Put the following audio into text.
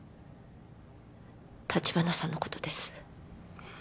橘さんのことです